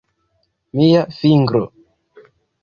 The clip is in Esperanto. Mia fingro...